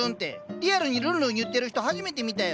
リアルにるんるん言ってる人初めて見たよ。